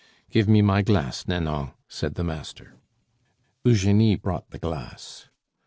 "Give me my glass, Nanon," said the master Eugenie brought the glass.